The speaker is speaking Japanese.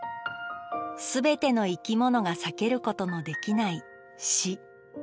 全ての生き物が避けることのできない死。